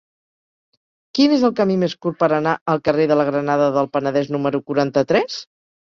Quin és el camí més curt per anar al carrer de la Granada del Penedès número quaranta-tres?